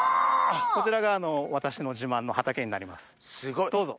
こちらが私の自慢の畑になりますどうぞ。